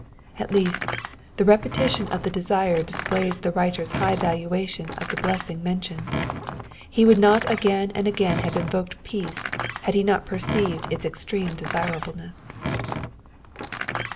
At least, the repetition of the desire displays the writer's high valuation of the blessing mentioned ; he would not again and again have invoked peace had he not perceived its extreme desirableness.